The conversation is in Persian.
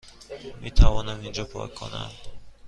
میتوانم اینجا پارک کنم؟